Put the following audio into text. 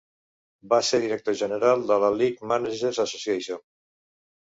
Va ser director general de la League Managers Association.